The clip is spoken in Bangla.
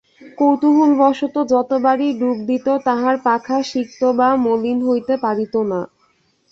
কৌতুহলবশত যতবারই ডুব দিত তাহার পাখা সিক্ত বা মলিন হইতে পারিত না।